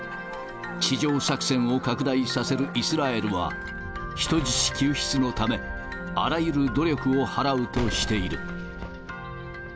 地上作戦を拡大させるイスラエルは、人質救出のため、あらゆる努力を払うとしている。